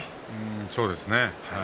そうですね。